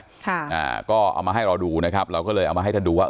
อ่าก็เอามาให้เราดูนะครับเราก็เลยเอามาให้ท่านดูว่า